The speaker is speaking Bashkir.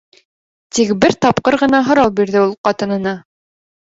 Тик бер тапҡыр ғына һорау бирҙе ул ҡатынына.